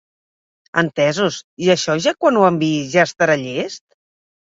Entesos, i això ja quan ho envii ja estarà llest?